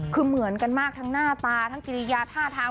คือเหมือนกันมากทั้งหน้าตาทั้งกิริยาท่าทาง